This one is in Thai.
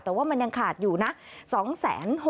แต่ว่ามันยังขาดอยู่นะ